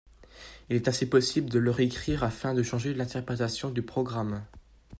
Il est ainsi possible de le réécrire afin de changer l'interprétation du programme.